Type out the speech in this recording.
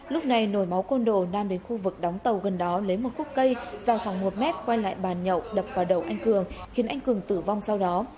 lúc này nổi máu côn đồ nam đến khu vực đóng tàu gần đó lấy một khúc cây dài khoảng một mét quay lại bàn nhậu đập vào đầu anh cường khiến anh cường tử vong sau đó